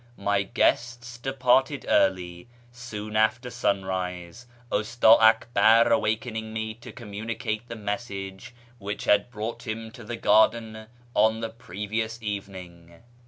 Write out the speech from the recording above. — My guests departed early, soon after sunrise, Usta Akbar awakening me to communicate the message which had brought him to the AMONGST THE KALANDARS 525 garden on the previous evening.